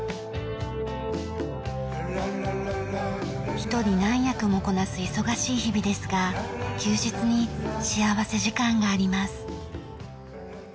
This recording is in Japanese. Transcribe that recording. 一人何役もこなす忙しい日々ですが休日に幸福時間があります。